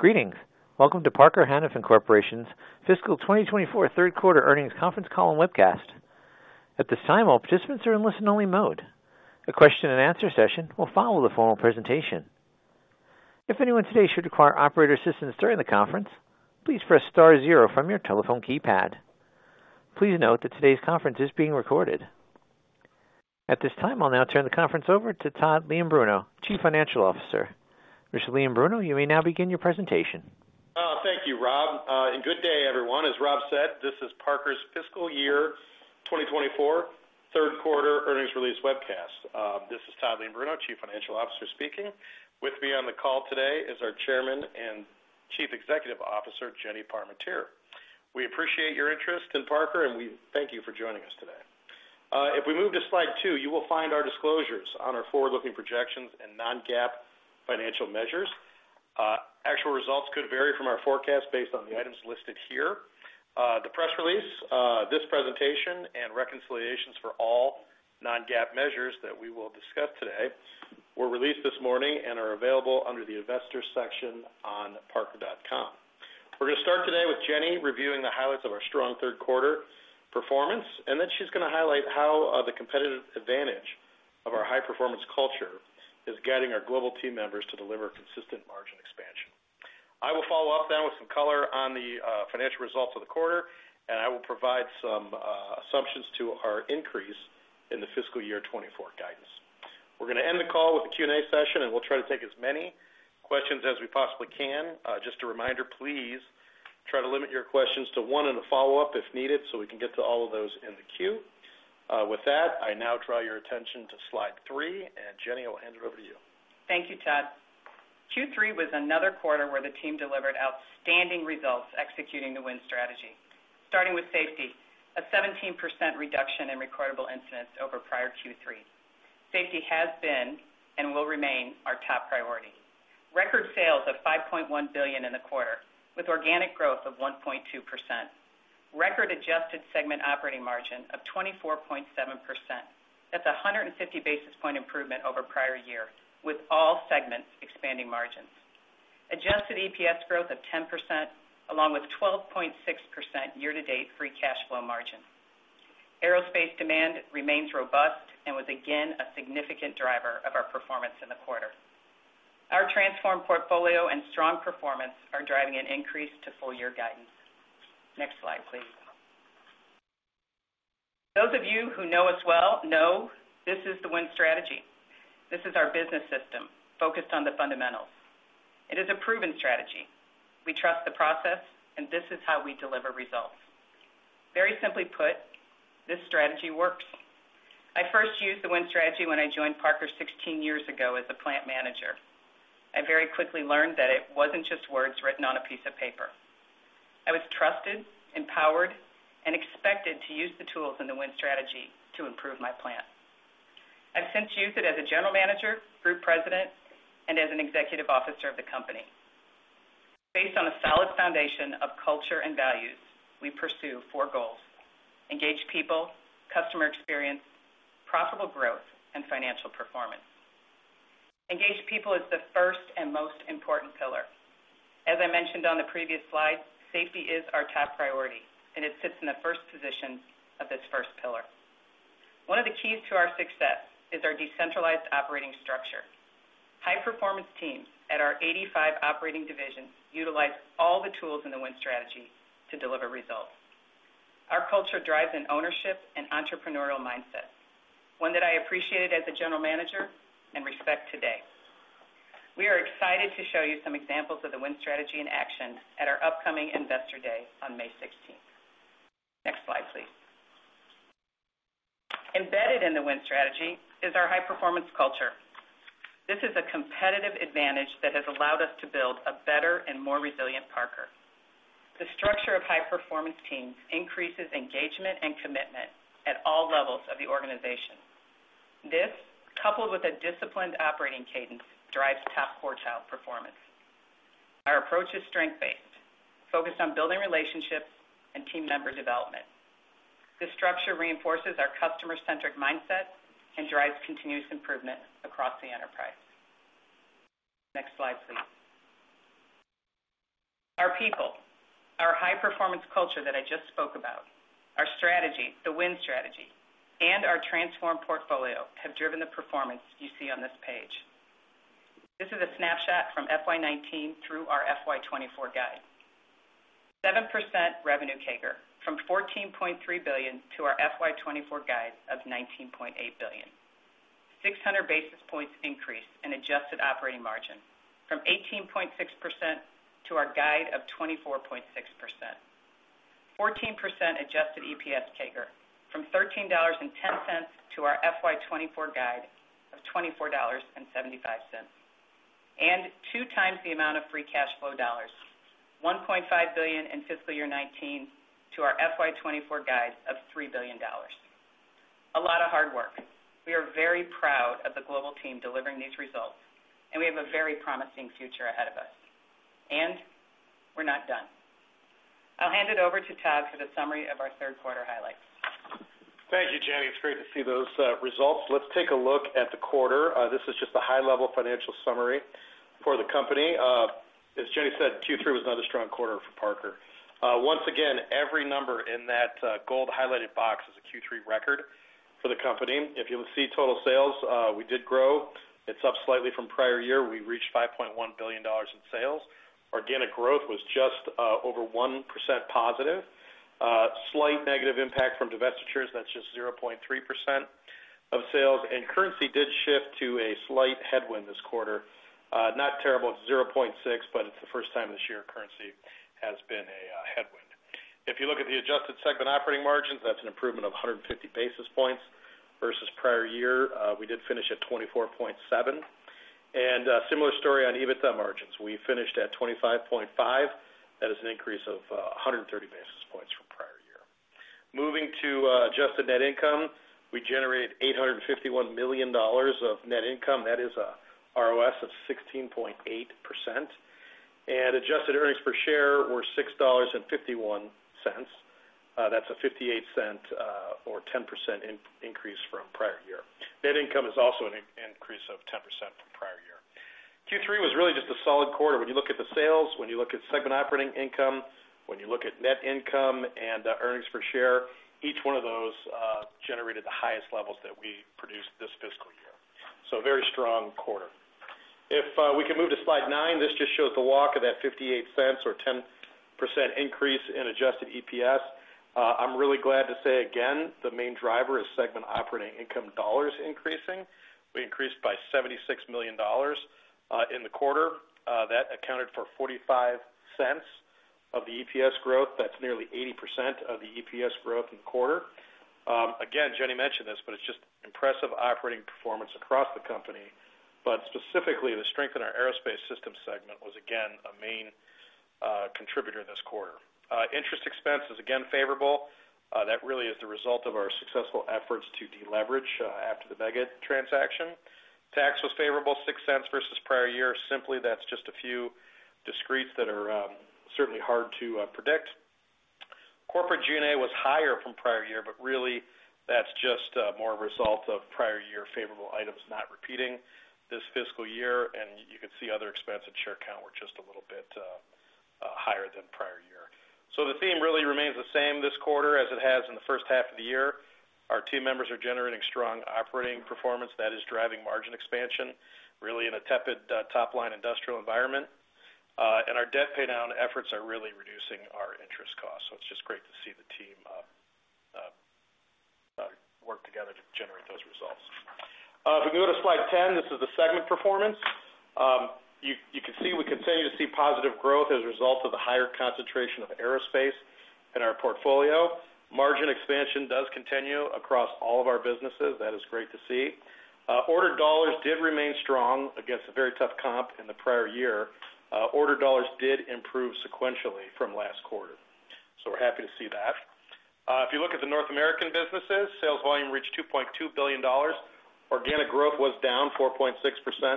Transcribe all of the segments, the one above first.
Greetings. Welcome to Parker Hannifin Corporation's Fiscal 2024 third quarter earnings conference call and webcast. At this time, all participants are in listen-only mode. A question-and-answer session will follow the formal presentation. If anyone today should require operator assistance during the conference, please press star zero from your telephone keypad. Please note that today's conference is being recorded. At this time, I'll now turn the conference over to Todd Leombruno, Chief Financial Officer. Mr. Leombruno, you may now begin your presentation. Thank you, Rob. Good day, everyone. As Rob said, this is Parker's fiscal year 2024 third quarter earnings release webcast. This is Todd Leombruno, Chief Financial Officer, speaking. With me on the call today is our Chairman and Chief Executive Officer, Jenny Parmentier. We appreciate your interest in Parker, and we thank you for joining us today. If we move to slide 2, you will find our disclosures on our forward-looking projections and non-GAAP financial measures. Actual results could vary from our forecast based on the items listed here. The press release, this presentation, and reconciliations for all non-GAAP measures that we will discuss today were released this morning and are available under the Investors section on parker.com. We're going to start today with Jenny reviewing the highlights of our strong third quarter performance, and then she's going to highlight how, the competitive advantage of our high-performance culture is guiding our global team members to deliver consistent margin expansion. I will follow up then with some color on the, financial results of the quarter, and I will provide some, assumptions to our increase in the fiscal year 2024 guidance. We're going to end the call with a Q&A session, and we'll try to take as many questions as we possibly can. Just a reminder, please try to limit your questions to one and a follow-up, if needed, so we can get to all of those in the queue. With that, I now draw your attention to slide 3, and Jenny, I will hand it over to you. Thank you, Todd. Q3 was another quarter where the team delivered outstanding results executing the Win Strategy. Starting with safety, a 17% reduction in recordable incidents over prior Q3. Safety has been and will remain our top priority. Record sales of $5.1 billion in the quarter, with organic growth of 1.2%. Record adjusted segment operating margin of 24.7%. That's a 150 basis point improvement over prior year, with all segments expanding margins. Adjusted EPS growth of 10%, along with 12.6% year-to-date free cash flow margin. Aerospace demand remains robust and was again, a significant driver of our performance in the quarter. Our transformed portfolio and strong performance are driving an increase to full-year guidance. Next slide, please. Those of you who know us well know this is the Win Strategy. This is our business system, focused on the fundamentals. It is a proven strategy. We trust the process, and this is how we deliver results. Very simply put, this strategy works. I first used the Win Strategy when I joined Parker 16 years ago as a plant manager. I very quickly learned that it wasn't just words written on a piece of paper. I was trusted, empowered, and expected to use the tools in the Win Strategy to improve my plant. I've since used it as a general manager, group president, and as an executive officer of the company. Based on a solid foundation of culture and values, we pursue four goals: engaged people, customer experience, profitable growth, and financial performance. Engaged people is the first and most important pillar. As I mentioned on the previous slide, safety is our top priority, and it sits in the first position of this first pillar. One of the keys to our success is our decentralized operating structure. High-performance teams at our 85 operating divisions utilize all the tools in the Win Strategy to deliver results. Our culture drives an ownership and entrepreneurial mindset, one that I appreciated as a general manager and respect today. We are excited to show you some examples of the Win Strategy in action at our upcoming Investor Day on May 16. Next slide, please. Embedded in the Win Strategy is our high-performance culture. This is a competitive advantage that has allowed us to build a better and more resilient Parker. The structure of high-performance teams increases engagement and commitment at all levels of the organization. This, coupled with a disciplined operating cadence, drives top-quartile performance. Our approach is strength-based, focused on building relationships and team member development. This structure reinforces our customer-centric mindset and drives continuous improvement across the enterprise. Next slide, please. Our people, our high-performance culture that I just spoke about, our strategy, the Win Strategy, and our transformed portfolio have driven the performance you see on this page. This is a snapshot from FY 2019 through our FY 2024 guide. 7% revenue CAGR, from $14.3 billion to our FY 2024 guide of $19.8 billion. 600 basis points increase in adjusted operating margin from 18.6% to our guide of 24.6%. 14% adjusted EPS CAGR from $13.10 to our FY 2024 guide of $24.75, and 2x the amount of free cash flow dollars, $1.5 billion in fiscal year 2019 to our FY 2024 guide of $3 billion. A lot of hard work. We are very proud of the global team delivering these results, and we have a very promising future ahead of us, and we're not done.... I'll hand it over to Todd for the summary of our third quarter highlights. Thank you, Jenny. It's great to see those results. Let's take a look at the quarter. This is just a high-level financial summary for the company. As Jenny said, Q3 was another strong quarter for Parker. Once again, every number in that gold highlighted box is a Q3 record for the company. If you'll see total sales, we did grow. It's up slightly from prior year. We reached $5.1 billion in sales. Organic growth was just over 1% positive. Slight negative impact from divestitures, that's just 0.3% of sales, and currency did shift to a slight headwind this quarter. Not terrible, it's 0.6%, but it's the first time this year currency has been a headwind. If you look at the adjusted segment operating margins, that's an improvement of 150 basis points versus prior year. We did finish at 24.7. Similar story on EBITDA margins. We finished at 25.5. That is an increase of 130 basis points from prior year. Moving to adjusted net income, we generated $851 million of net income. That is a ROS of 16.8%. Adjusted earnings per share were $6.51. That's a 58-cent or 10% increase from prior year. Net income is also an increase of 10% from prior year. Q3 was really just a solid quarter. When you look at the sales, when you look at segment operating income, when you look at net income and earnings per share, each one of those generated the highest levels that we produced this fiscal year. So very strong quarter. If we can move to slide 9, this just shows the walk of that $0.58 or 10% increase in adjusted EPS. I'm really glad to say, again, the main driver is segment operating income dollars increasing. We increased by $76 million in the quarter. That accounted for $0.45 of the EPS growth. That's nearly 80% of the EPS growth in the quarter. Again, Jenny mentioned this, but it's just impressive operating performance across the company. But specifically, the strength in our aerospace system segment was, again, a main contributor this quarter. Interest expense is again favorable. That really is the result of our successful efforts to deleverage after the Meggitt transaction. Tax was favorable, $0.06 versus prior year. Simply, that's just a few discretes that are certainly hard to predict. Corporate G&A was higher from prior year, but really, that's just more a result of prior year favorable items not repeating this fiscal year, and you can see other expense and share count were just a little bit higher than prior year. So the theme really remains the same this quarter as it has in the first half of the year. Our team members are generating strong operating performance that is driving margin expansion, really in a tepid top-line industrial environment. And our debt pay down efforts are really reducing our interest costs. So it's just great to see the team work together to generate those results. If we go to slide 10, this is the segment performance. You can see, we continue to see positive growth as a result of the higher concentration of aerospace in our portfolio. Margin expansion does continue across all of our businesses. That is great to see. Order dollars did remain strong against a very tough comp in the prior year. Order dollars did improve sequentially from last quarter, so we're happy to see that. If you look at the North American businesses, sales volume reached $2.2 billion. Organic growth was down 4.6%,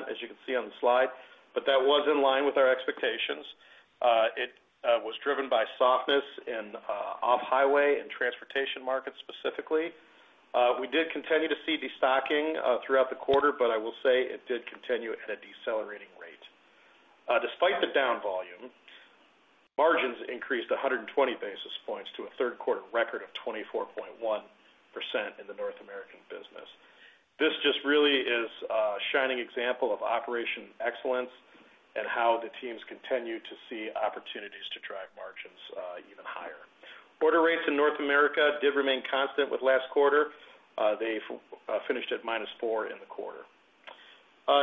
as you can see on the slide, but that was in line with our expectations. It was driven by softness in off-highway and transportation markets, specifically. We did continue to see destocking throughout the quarter, but I will say it did continue at a decelerating rate. Despite the down volume, margins increased 100 basis points to a third quarter record of 24.1% in the North American business. This just really is a shining example of operational excellence and how the teams continue to see opportunities to drive margins even higher. Order rates in North America did remain constant with last quarter. They finished at minus four in the quarter.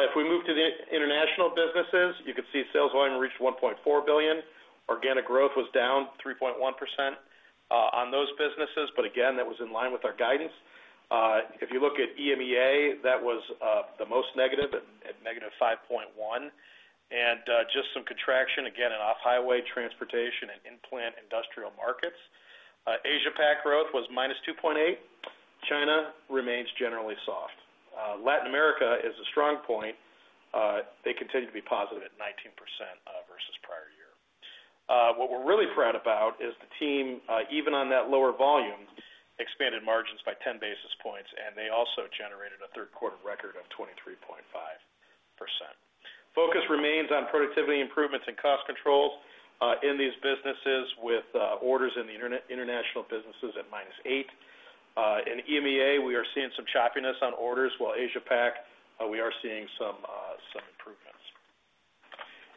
If we move to the international businesses, you can see sales volume reached $1.4 billion. Organic growth was down 3.1% on those businesses, but again, that was in line with our guidance. If you look at EMEA, that was the most negative at -5.1, and just some contraction, again, in off-highway, transportation, and in-plant industrial markets. Asia PAC growth was -2.8. China remains generally soft. Latin America is a strong point. They continue to be positive at 19%, versus prior year. What we're really proud about is the team, even on that lower volume, expanded margins by 10 basis points, and they also generated a third quarter record of 23.5%. Focus remains on productivity improvements and cost controls, in these businesses with orders in the international businesses at -8. In EMEA, we are seeing some choppiness on orders, while Asia PAC, we are seeing some improvements.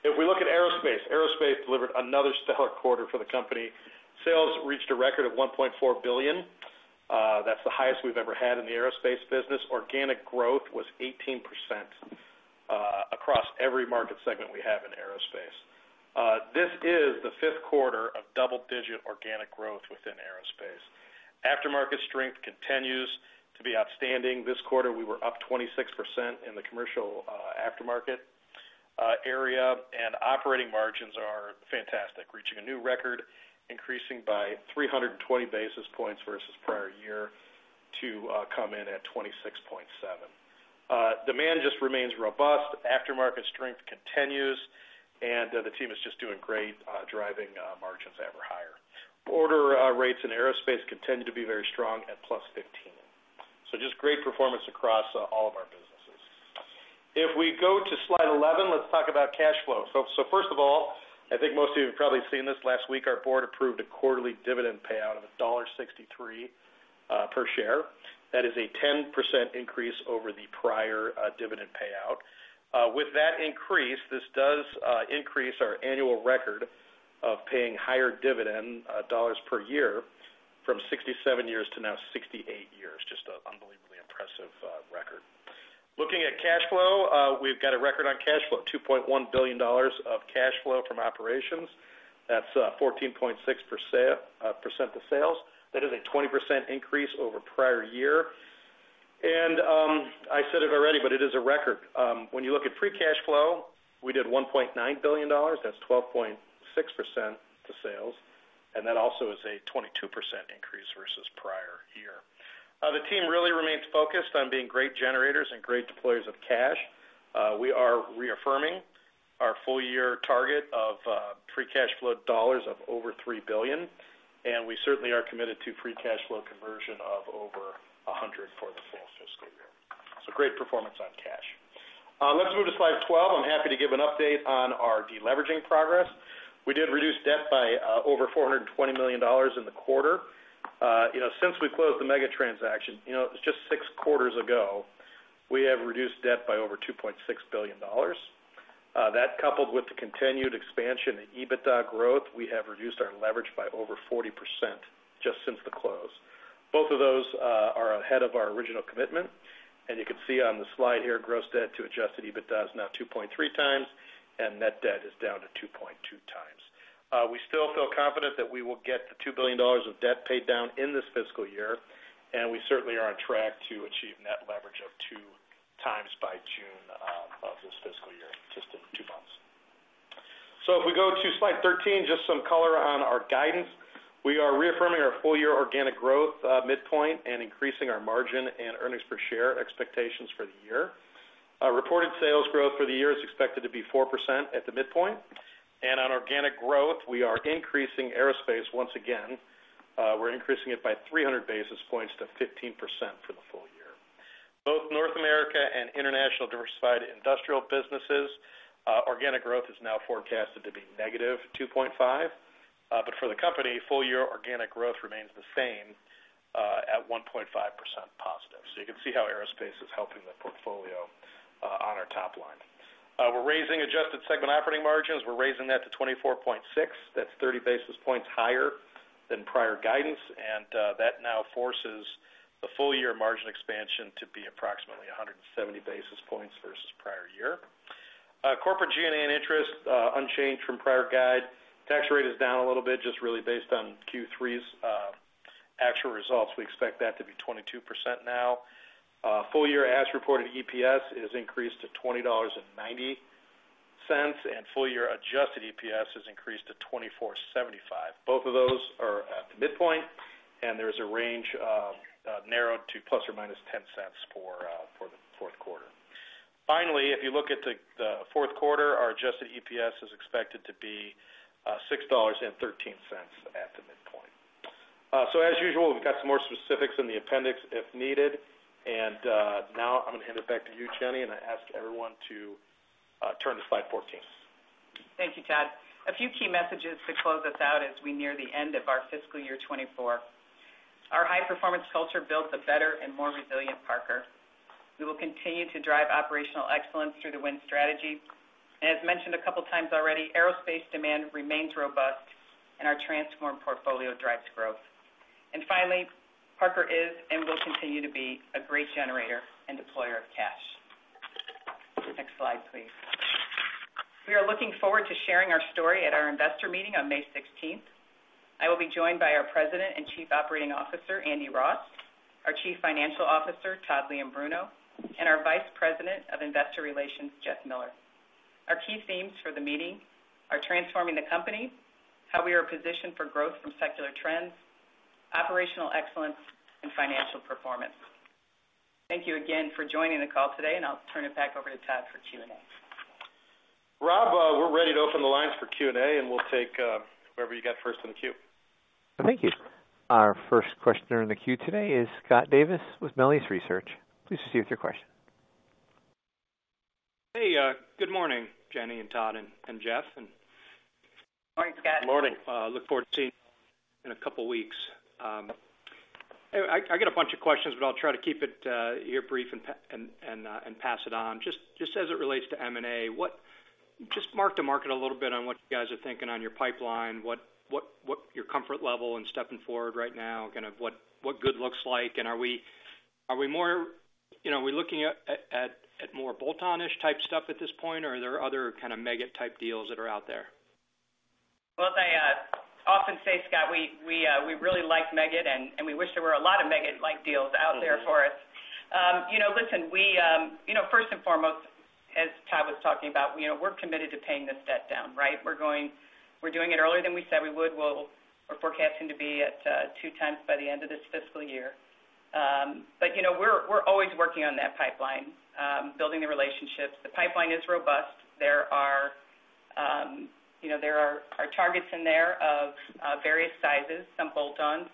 If we look at aerospace, aerospace delivered another stellar quarter for the company. Sales reached a record of $1.4 billion. That's the highest we've ever had in the aerospace business. Organic growth was 18% across every market segment we have in aerospace. This is the fifth quarter of double-digit organic growth within aerospace. Aftermarket strength continues to be outstanding. This quarter, we were up 26% in the commercial aftermarket area, and operating margins are fantastic, reaching a new record, increasing by 320 basis points versus prior year to come in at 26.7%. Demand just remains robust, aftermarket strength continues, and the team is just doing great driving margins ever higher. Order rates in aerospace continue to be very strong at +15%. Just great performance across all of our businesses. If we go to slide 11, let's talk about cash flow. First of all, I think most of you have probably seen this. Last week, our board approved a quarterly dividend payout of $1.63 per share. That is a 10% increase over the prior dividend payout. With that increase, this does increase our annual record of paying higher dividend dollars per year from 67 years to now 68 years. Just an unbelievably impressive record. Looking at cash flow, we've got a record on cash flow, $2.1 billion of cash flow from operations. That's 14.6% of sales. That is a 20% increase over prior year. I said it already, but it is a record. When you look at free cash flow, we did $1.9 billion. That's 12.6% to sales, and that also is a 22% increase versus prior year. The team really remains focused on being great generators and great deployers of cash. We are reaffirming our full year target of free cash flow dollars of over $3 billion, and we certainly are committed to free cash flow conversion of over 100% for the full fiscal year. So great performance on cash. Let's move to slide 12. I'm happy to give an update on our deleveraging progress. We did reduce debt by over $420 million in the quarter. You know, since we closed the Meggitt transaction, you know, it was just 6 quarters ago, we have reduced debt by over $2.6 billion. That, coupled with the continued expansion in EBITDA growth, we have reduced our leverage by over 40% just since the close. Both of those are ahead of our original commitment, and you can see on the slide here, gross debt to adjusted EBITDA is now 2.3 times, and net debt is down to 2.2 times. We still feel confident that we will get the $2 billion of debt paid down in this fiscal year, and we certainly are on track to achieve net leverage of 2 times by June of this fiscal year, just in 2 months. So if we go to slide 13, just some color on our guidance. We are reaffirming our full year organic growth midpoint and increasing our margin and earnings per share expectations for the year. Our reported sales growth for the year is expected to be 4% at the midpoint, and on organic growth, we are increasing aerospace once again. We're increasing it by 300 basis points to 15% for the full year. Both North America and international diversified industrial businesses, organic growth is now forecasted to be negative 2.5. But for the company, full year organic growth remains the same, at 1.5% positive. So you can see how aerospace is helping the portfolio, on our top line. We're raising adjusted segment operating margins. We're raising that to 24.6. That's 30 basis points higher than prior guidance, and, that now forces the full year margin expansion to be approximately 170 basis points versus prior year. Corporate G&A and interest, unchanged from prior guide. Tax rate is down a little bit, just really based on Q3's actual results. We expect that to be 22% now. Full year as reported, EPS is increased to $20.90, and full year adjusted EPS is increased to $24.75. Both of those are at the midpoint, and there's a range of narrowed to ±$0.10 for the fourth quarter. Finally, if you look at the fourth quarter, our adjusted EPS is expected to be $6.13 at the midpoint. So as usual, we've got some more specifics in the appendix, if needed. And now I'm going to hand it back to you, Jenny, and I ask everyone to turn to slide 14. Thank you, Todd. A few key messages to close us out as we near the end of our fiscal year 2024. Our high-performance culture builds a better and more resilient Parker. We will continue to drive operational excellence through the Win Strategy. And as mentioned a couple of times already, aerospace demand remains robust, and our transformed portfolio drives growth. And finally, Parker is and will continue to be a great generator and deployer of cash. Next slide, please. We are looking forward to sharing our story at our investor meeting on May 16. I will be joined by our President and Chief Operating Officer, Andy Ross, our Chief Financial Officer, Todd Leombruno, and our Vice President of Investor Relations, Jeff Miller. Our key themes for the meeting are transforming the company, how we are positioned for growth from secular trends, operational excellence, and financial performance. Thank you again for joining the call today, and I'll turn it back over to Todd for Q&A. Rob, we're ready to open the lines for Q&A, and we'll take whoever you got first in the queue. Thank you. Our first questioner in the queue today is Scott Davis with Melius Research. Please proceed with your question. Hey, good morning, Jenny and Todd and Jeff, and- Morning, Scott. Morning. Look forward to seeing you in a couple of weeks. I got a bunch of questions, but I'll try to keep it here brief and pass it on. Just as it relates to M&A, what... Just mark-to-market a little bit on what you guys are thinking on your pipeline, what your comfort level in stepping forward right now, kind of what good looks like, and are we more, you know, are we looking at more bolt-on-ish type stuff at this point, or are there other kind of Meggitt-type deals that are out there? Well, I often say, Scott, we really like Meggitt, and we wish there were a lot of Meggitt-like deals out there for us. You know, listen, we first and foremost talking about, you know, we're committed to paying this debt down, right? We're doing it earlier than we said we would. We're forecasting to be at 2 times by the end of this fiscal year. But, you know, we're always working on that pipeline, building the relationships. The pipeline is robust. There are, you know, targets in there of various sizes, some bolt-ons,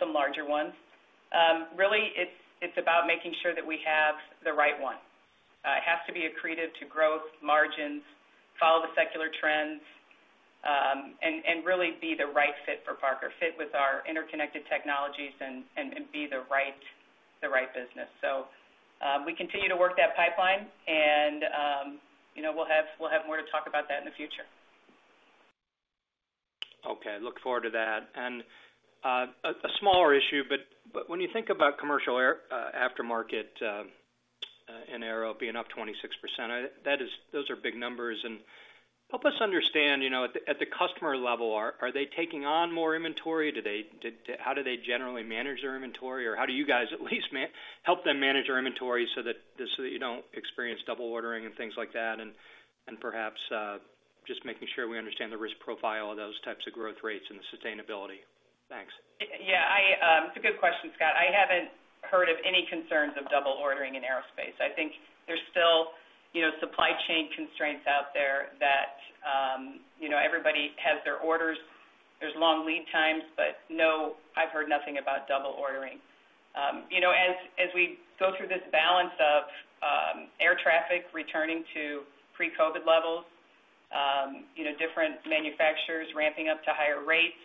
some larger ones. Really, it's about making sure that we have the right one. It has to be accretive to growth, margins, follow the secular trends, and really be the right fit for Parker, fit with our interconnected technologies, and be the right business. So, we continue to work that pipeline, and you know, we'll have more to talk about that in the future. Okay, look forward to that. And a smaller issue, but when you think about commercial air aftermarket and AERO being up 26%, I think that those are big numbers. And help us understand, you know, at the customer level, are they taking on more inventory? How do they generally manage their inventory? Or how do you guys at least help them manage their inventory so that, just so that you don't experience double ordering and things like that, and perhaps just making sure we understand the risk profile of those types of growth rates and the sustainability. Thanks. Yeah, I... It's a good question, Scott. I haven't heard of any concerns of double ordering in aerospace. I think there's still, you know, supply chain constraints out there that, you know, everybody has their orders. There's long lead times, but no, I've heard nothing about double ordering. You know, as, as we go through this balance of, air traffic returning to pre-COVID levels, you know, different manufacturers ramping up to higher rates,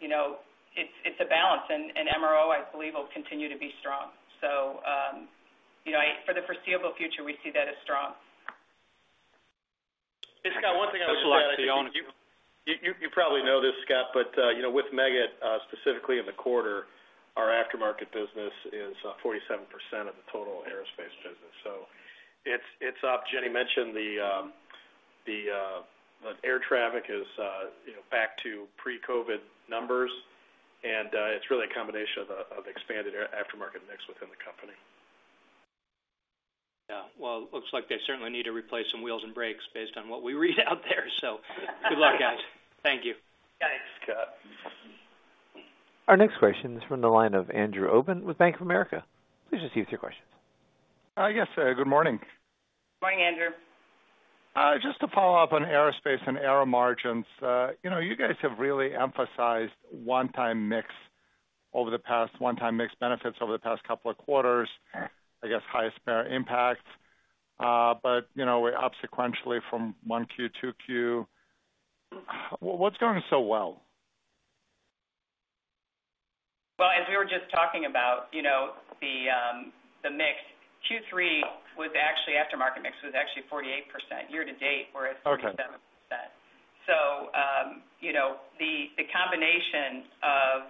you know, it's, it's a balance, and, and MRO, I believe, will continue to be strong. So, you know, for the foreseeable future, we see that as strong. Hey, Scott, one thing I would say- Thanks a lot, Dion. You probably know this, Scott, but you know, with Meggitt, specifically in the quarter, our aftermarket business is 47% of the total aerospace business, so it's up. Jenny mentioned the air traffic is you know, back to pre-COVID numbers, and it's really a combination of the expanded aftermarket mix within the company. Yeah. Well, it looks like they certainly need to replace some wheels and brakes based on what we read out there, so good luck, guys. Thank you. Thanks. Thanks, Scott. Our next question is from the line of Andrew Obin with Bank of America. Please just give us your questions. Yes, good morning. Morning, Andrew. Just to follow up on aerospace and aero margins. You know, you guys have really emphasized one-time mix over the past- one-time mix benefits over the past couple of quarters, I guess, highest spare impact. But, you know, we're up sequentially from 1Q to 2Q. What's going so well? Well, as we were just talking about, you know, the, the mix, Q3 was actually aftermarket mix, was actually 48%. Year to date, we're at 47%. Okay. So, you know, the combination of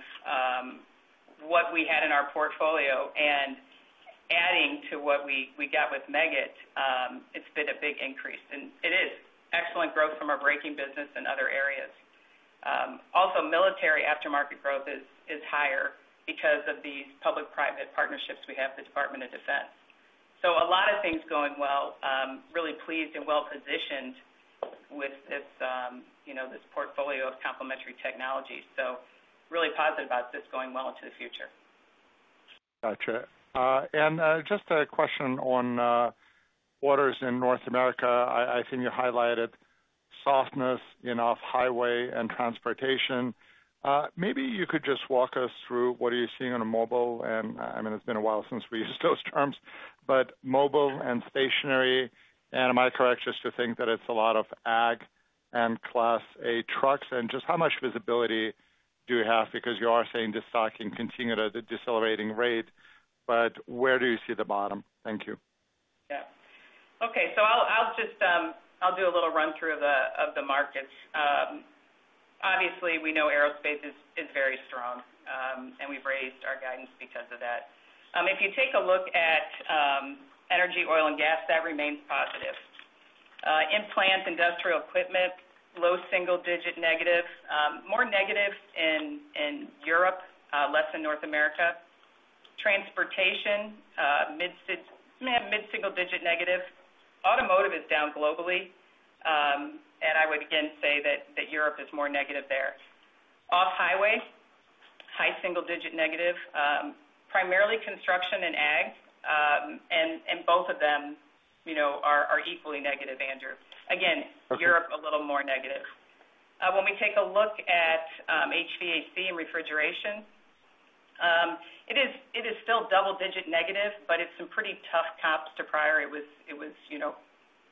what we had in our portfolio and adding to what we got with Meggitt, it's been a big increase, and it is excellent growth from our braking business and other areas. Also, military aftermarket growth is higher because of the public-private partnerships we have with the Department of Defense. So a lot of things going well, really pleased and well-positioned with this, you know, this portfolio of complementary technologies, so really positive about this going well into the future. Gotcha. Just a question on orders in North America. I think you highlighted softness in off highway and transportation. Maybe you could just walk us through what are you seeing on a mobile, and I mean, it's been a while since we used those terms, but mobile and stationary. Am I correct just to think that it's a lot of ag and Class A trucks? Just how much visibility do you have? Because you are saying the stock can continue at a decelerating rate, but where do you see the bottom? Thank you. Yeah. Okay, so I'll just do a little run-through of the markets. Obviously, we know aerospace is very strong, and we've raised our guidance because of that. If you take a look at energy, oil and gas, that remains positive. In plant, industrial equipment, low single digit negative, more negative in Europe, less in North America. Transportation, mid single digit negative. Automotive is down globally, and I would again say that Europe is more negative there. Off-highway, high single digit negative, primarily construction and ag, and both of them, you know, are equally negative, Andrew. Okay. Again, Europe, a little more negative. When we take a look at HVAC and refrigeration, it is still double digit negative, but it's some pretty tough comps to prior. It was you know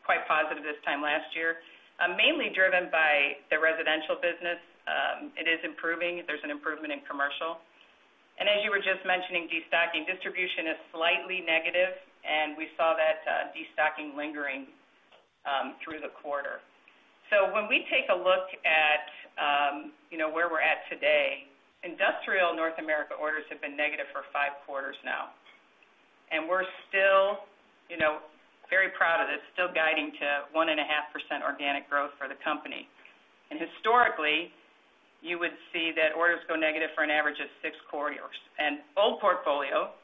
quite positive this time last year, mainly driven by the residential business. It is improving. There's an improvement in commercial. And as you were just mentioning, destocking. Distribution is slightly negative, and we saw that destocking lingering through the quarter. So when we take a look at you know where we're at today, industrial North America orders have been negative for five quarters now, and we're still you know very proud of this, still guiding to 1.5% organic growth for the company. And historically you would see that orders go negative for an average of six quarters. And old portfolio,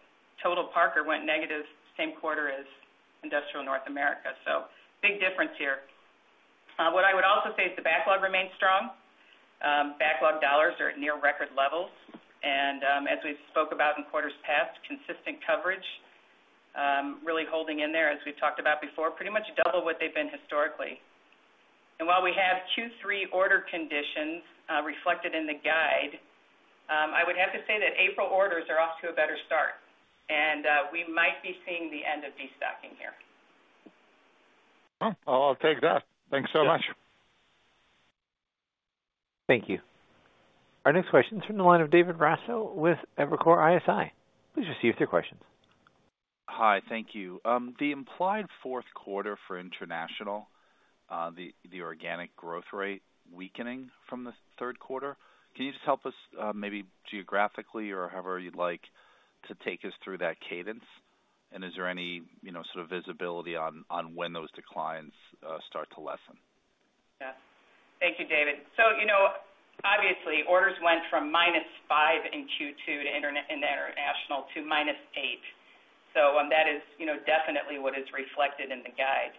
total Parker went negative same quarter as Industrial North America. So big difference here. What I would also say is the backlog remains strong. Backlog dollars are at near record levels, and, as we've spoke about in quarters past, consistent coverage, really holding in there, as we've talked about before, pretty much double what they've been historically. And while we have Q3 order conditions, reflected in the guide, I would have to say that April orders are off to a better start, and, we might be seeing the end of destocking here. Well, I'll take that. Thanks so much. Yeah. Thank you. Our next question is from the line of David Brasso with Evercore ISI. Please go ahead with your questions. Hi, thank you. The implied fourth quarter for international, the organic growth rate weakening from the third quarter. Can you just help us, maybe geographically or however you'd like to take us through that cadence? And is there any, you know, sort of visibility on when those declines start to lessen? Yeah. Thank you, David. So, you know, obviously, orders went from -5 in Q2 to -8 in the international. So, that is, you know, definitely what is reflected in the guide.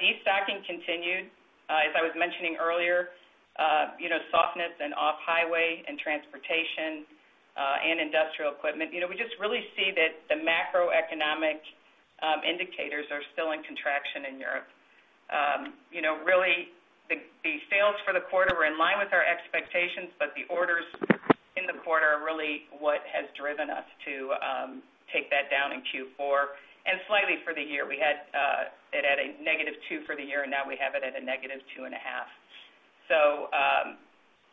Destocking continued. As I was mentioning earlier, you know, softness in off-highway and transportation, and industrial equipment. You know, we just really see that the macroeconomic indicators are still in contraction in Europe. You know, really, the sales for the quarter were in line with our expectations, but the orders in the quarter are really what has driven us to take that down in Q4 and slightly for the year. We had it at a -2 for the year, and now we have it at a -2.5. So,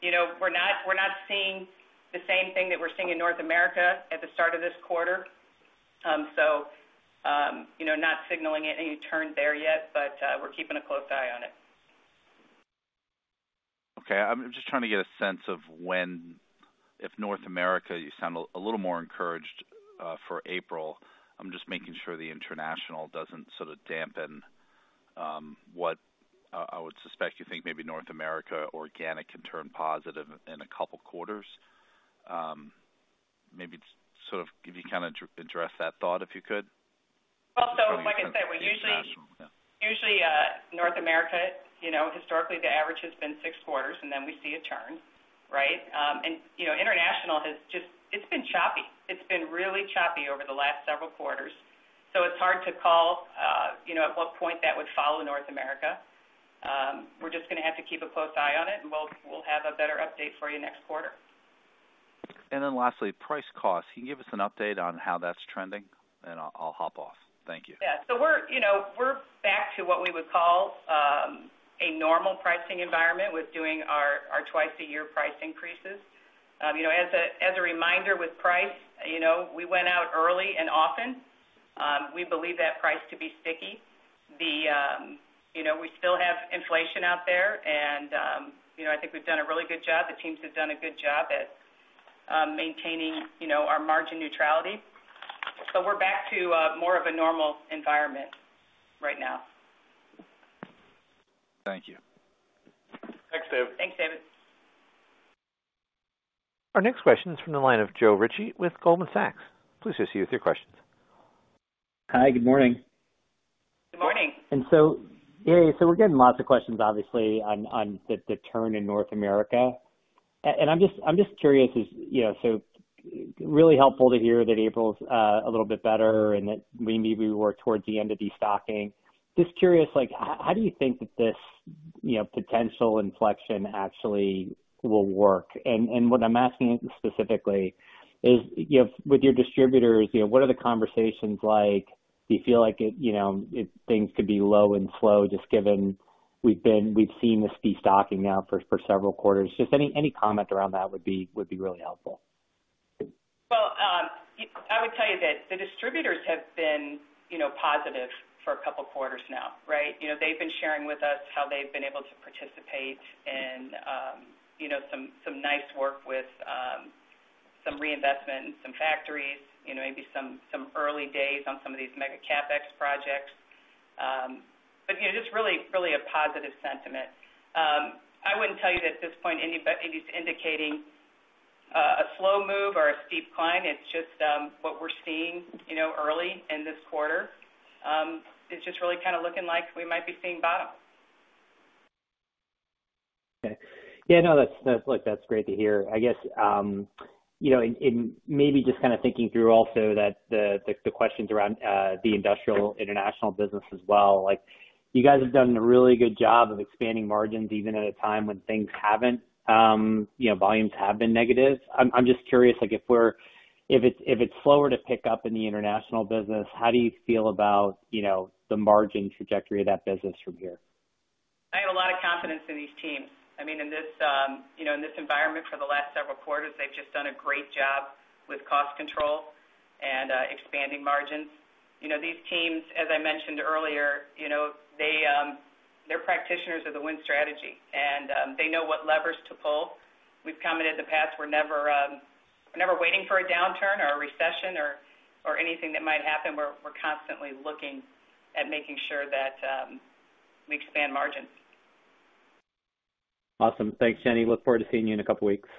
you know, we're not, we're not seeing the same thing that we're seeing in North America at the start of this quarter. So, you know, not signaling any turn there yet, but, we're keeping a close eye on it. Okay. I'm just trying to get a sense of when, if North America, you sound a little more encouraged, for April. I'm just making sure the international doesn't sort of dampen, I would suspect you think maybe North America organic can turn positive in a couple quarters. Maybe sort of if you kind of address that thought, if you could? Well, so like I said, we usually- International, yeah. Usually, North America, you know, historically, the average has been six quarters, and then we see a turn, right? You know, international has just—it's been choppy. It's been really choppy over the last several quarters, so it's hard to call, you know, at what point that would follow North America. We're just gonna have to keep a close eye on it, and we'll have a better update for you next quarter. Then lastly, price costs. Can you give us an update on how that's trending? And I'll, I'll hop off. Thank you. Yeah. So we're, you know, we're back to what we would call, a normal pricing environment with doing our, our twice-a-year price increases. You know, as a reminder, with price, you know, we went out early and often. We believe that price to be sticky. You know, we still have inflation out there, and, you know, I think we've done a really good job, the teams have done a good job at, maintaining, you know, our margin neutrality. So we're back to, more of a normal environment right now. Thank you. Thanks, David. Thanks, David. Our next question is from the line of Joe Ritchie with Goldman Sachs. Please proceed with your questions. Hi, good morning. Good morning. Yeah, so we're getting lots of questions, obviously, on the turn in North America. And I'm just curious, as you know, so really helpful to hear that April's a little bit better and that we maybe work towards the end of destocking. Just curious, like, how do you think that this, you know, potential inflection actually will work? And what I'm asking specifically is, you know, with your distributors, you know, what are the conversations like? Do you feel like it, you know, if things could be low and slow, just given we've seen this destocking now for several quarters? Just any comment around that would be really helpful. Well, I would tell you that the distributors have been, you know, positive for a couple quarters now, right? You know, they've been sharing with us how they've been able to participate in, you know, some nice work with some reinvestment in some factories, you know, maybe some early days on some of these mega CapEx projects. But, you know, just really, really a positive sentiment. I wouldn't tell you that at this point, anybody's indicating a slow move or a steep climb. It's just what we're seeing, you know, early in this quarter. It's just really kind of looking like we might be seeing bottom. Okay. Yeah, no, that's, that's. Look, that's great to hear. I guess, you know, and maybe just kind of thinking through also that the questions around the industrial international business as well. Like, you guys have done a really good job of expanding margins, even at a time when things haven't, you know, volumes have been negative. I'm just curious, like, if it's slower to pick up in the international business, how do you feel about, you know, the margin trajectory of that business from here? I have a lot of confidence in these teams. I mean, in this, you know, in this environment for the last several quarters, they've just done a great job with cost control and expanding margins. You know, these teams, as I mentioned earlier, you know, they, they're practitioners of the Win Strategy, and they know what levers to pull. We've commented in the past, we're never waiting for a downturn or a recession or anything that might happen. We're constantly looking at making sure that we expand margins. Awesome. Thanks, Jenny. Look forward to seeing you in a couple of weeks.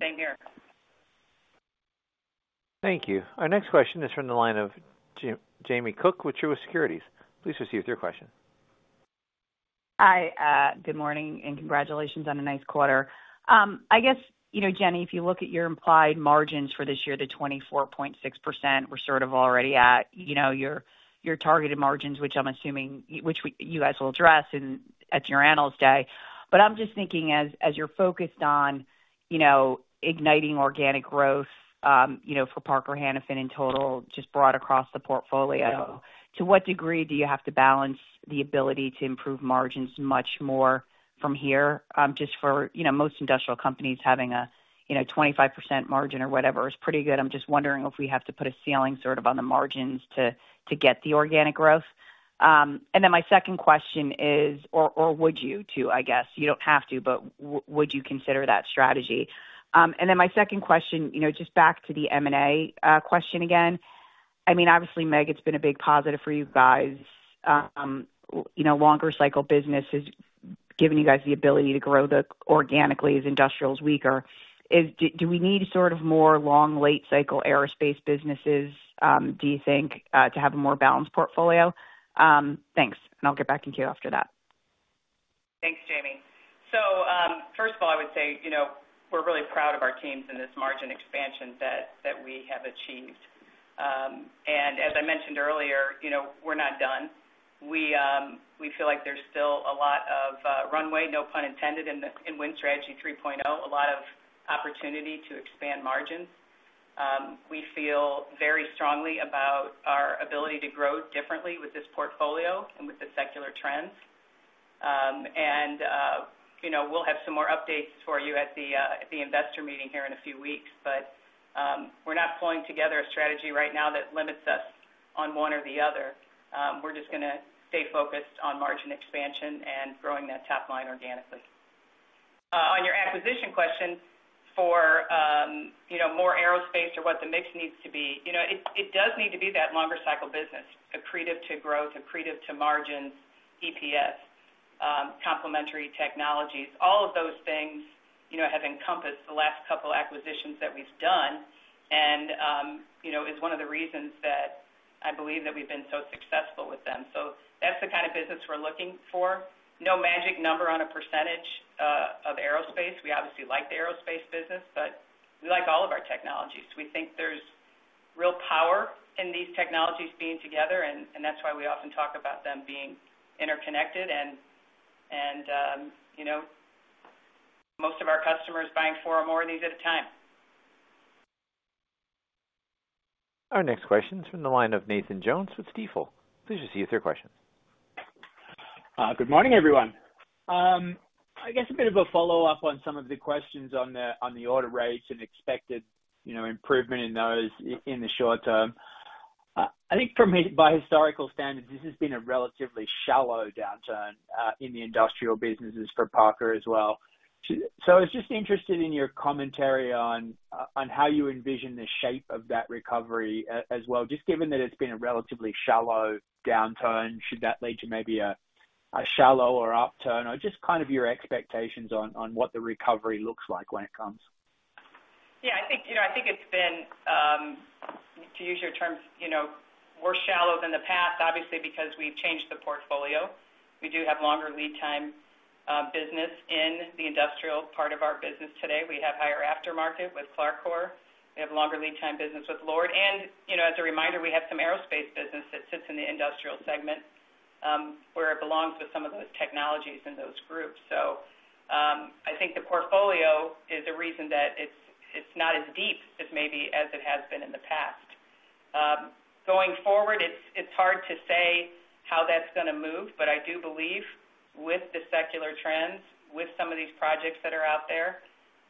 Same here. Thank you. Our next question is from the line of Jamie Cook with Truist Securities. Please proceed with your question. Hi, good morning, and congratulations on a nice quarter. I guess, you know, Jenny, if you look at your implied margins for this year, the 24.6%, we're sort of already at, you know, your, your targeted margins, which I'm assuming, which we- you guys will address in, at your Analyst Day. But I'm just thinking as, as you're focused on, you know, igniting organic growth, you know, for Parker Hannifin in total, just broad across the portfolio, to what degree do you have to balance the ability to improve margins much more from here? Just for, you know, most industrial companies having a, you know, 25% margin or whatever is pretty good. I'm just wondering if we have to put a ceiling sort of on the margins to, to get the organic growth. And then my second question is, or, or would you, too, I guess? You don't have to, but would you consider that strategy? And then my second question, you know, just back to the M&A question again. I mean, obviously, Meggitt, it's been a big positive for you guys. You know, longer cycle business has given you guys the ability to grow them organically as industrial is weaker. Do we need sort of more long, late cycle aerospace businesses, do you think, to have a more balanced portfolio? Thanks, and I'll get back in queue after that. Thanks, Jamie. So, first of all, I would say, you know, we're really proud of our teams in this margin expansion that we have achieved. And as I mentioned earlier, you know, we're not done. We feel like there's still a lot of runway, no pun intended, in Win Strategy 3.0, a lot of opportunity to expand margins. We feel very strongly about our ability to grow differently with this portfolio and with the secular trends. And, you know, we'll have some more updates for you at the investor meeting here in a few weeks. But we're not pulling together a strategy right now that limits us on one or the other. We're just gonna stay focused on margin expansion and growing that top line organically. On your acquisition question for, you know, more aerospace or what the mix needs to be, you know, it does need to be that longer cycle business, accretive to growth, accretive to margins, EPS, complementary technologies. All of those things, you know, have encompassed the last couple acquisitions that we've done. You know, it's one of the reasons that I believe that we've been so successful with them. So that's the kind of business we're looking for. No magic number on a percentage of aerospace. We obviously like the aerospace business, but we like all of our technologies. We think there's real power in these technologies being together, and that's why we often talk about them being interconnected, and, you know, most of our customers buying four or more of these at a time. Our next question is from the line of Nathan Jones with Stifel. Please just proceed with your question. Good morning, everyone. I guess a bit of a follow-up on some of the questions on the order rates and expected, you know, improvement in those in the short term. I think for me, by historical standards, this has been a relatively shallow downturn in the industrial businesses for Parker as well. So I was just interested in your commentary on on how you envision the shape of that recovery as well, just given that it's been a relatively shallow downturn, should that lead to maybe a shallow or upturn? Or just kind of your expectations on on what the recovery looks like when it comes? Yeah, I think, you know, I think it's been to use your terms, you know, more shallow than the past, obviously, because we've changed the portfolio. We do have longer lead time business in the industrial part of our business today. We have higher aftermarket with Clarcor. We have longer lead time business with LORD, and, you know, as a reminder, we have some aerospace business that sits in the industrial segment, where it belongs with some of those technologies in those groups. So, I think the portfolio is a reason that it's, it's not as deep as maybe as it has been in the past. Going forward, it's hard to say how that's gonna move, but I do believe with the secular trends, with some of these projects that are out there,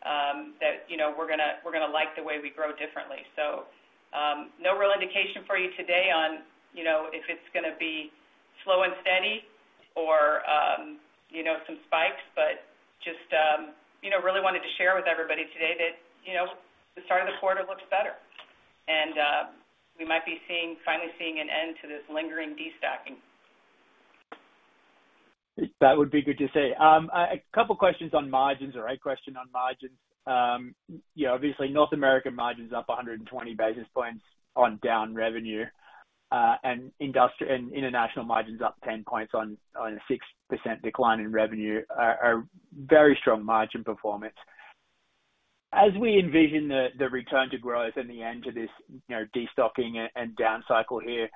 that, you know, we're gonna like the way we grow differently. So, no real indication for you today on, you know, if it's gonna be slow and steady or, you know, some spikes, but just, you know, really wanted to share with everybody today that, you know, the start of the quarter looks better, and we might be finally seeing an end to this lingering destocking. That would be good to see. A couple questions on margins or a question on margins. You know, obviously, North America margins up 120 basis points on down revenue, and industrial- and international margins up 10 points on a 6% decline in revenue are very strong margin performance. As we envision the return to growth and the end to this, you know, destocking and down cycle here,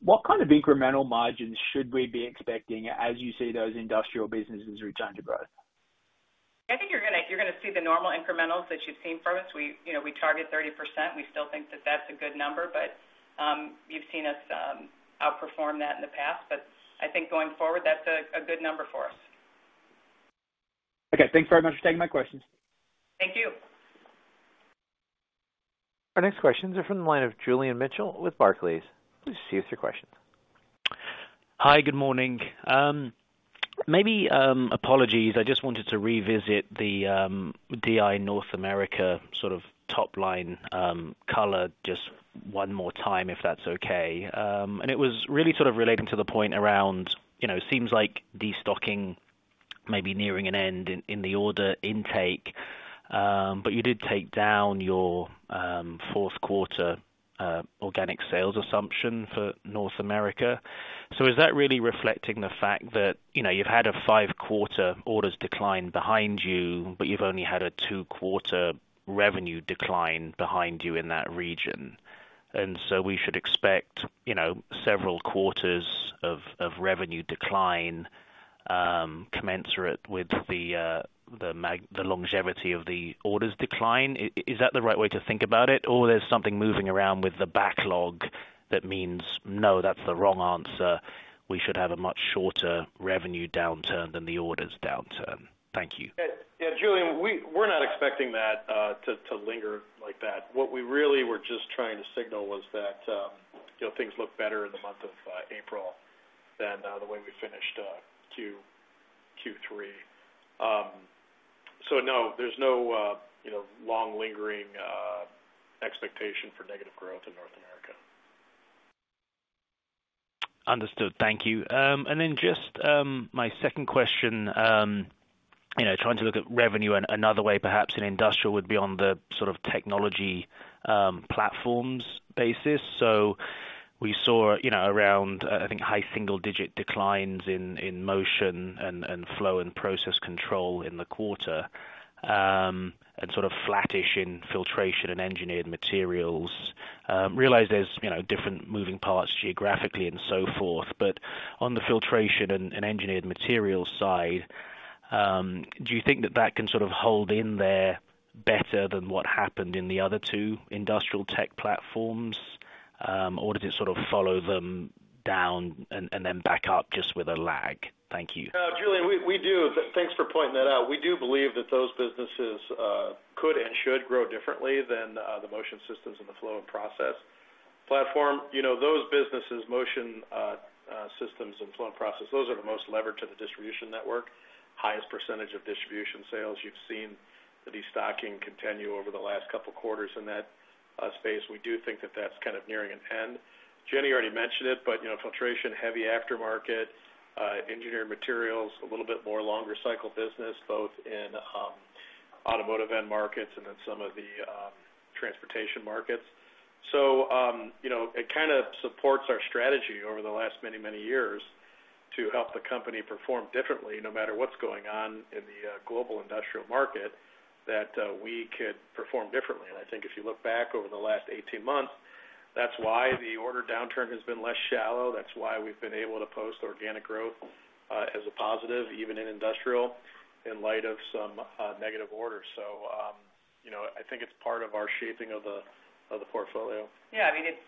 what kind of incremental margins should we be expecting as you see those industrial businesses return to growth? I think you're gonna, you're gonna see the normal incrementals that you've seen from us. We, you know, we target 30%. We still think that that's a good number, but, you've seen us, outperform that in the past. But I think going forward, that's a, a good number for us. Okay. Thanks very much for taking my questions. Thank you. Our next questions are from the line of Julian Mitchell with Barclays. Please proceed with your questions. Hi, good morning.... Maybe, apologies, I just wanted to revisit the, DI North America sort of top line, color just one more time, if that's okay. And it was really sort of relating to the point around, you know, seems like destocking may be nearing an end in the order intake, but you did take down your, fourth quarter, organic sales assumption for North America. So is that really reflecting the fact that, you know, you've had a five-quarter orders decline behind you, but you've only had a two-quarter revenue decline behind you in that region? And so we should expect, you know, several quarters of revenue decline, commensurate with the, the longevity of the orders decline. Is that the right way to think about it, or there's something moving around with the backlog that means, no, that's the wrong answer, we should have a much shorter revenue downturn than the orders downturn? Thank you. Yeah, yeah, Julian, we're not expecting that to linger like that. What we really were just trying to signal was that, you know, things look better in the month of April than the way we finished Q3. So no, there's no, you know, long lingering expectation for negative growth in North America. Understood. Thank you. And then just, my second question, you know, trying to look at revenue in another way, perhaps in industrial, would be on the sort of technology, platforms basis. So we saw, you know, around, I think, high single digit declines in, in motion and, and flow and process control in the quarter, and sort of flattish in filtration and engineered materials. Realize there's, you know, different moving parts geographically and so forth, but on the filtration and, and engineered materials side, do you think that that can sort of hold in there better than what happened in the other two industrial tech platforms? Or did it sort of follow them down and, and then back up just with a lag? Thank you. Julian, we do. Thanks for pointing that out. We do believe that those businesses could and should grow differently than the motion systems and the flow and process platform. You know, those businesses, motion systems and flow and process, those are the most levered to the distribution network, highest percentage of distribution sales. You've seen the destocking continue over the last couple quarters in that space. We do think that that's kind of nearing an end. Jenny already mentioned it, but, you know, filtration, heavy aftermarket, engineered materials, a little bit more longer cycle business, both in automotive end markets and then some of the transportation markets. So, you know, it kind of supports our strategy over the last many, many years to help the company perform differently, no matter what's going on in the global industrial market, that we could perform differently. And I think if you look back over the last 18 months, that's why the order downturn has been less shallow. That's why we've been able to post organic growth as a positive, even in industrial, in light of some negative orders. So, you know, I think it's part of our shaping of the portfolio. Yeah, I mean, it's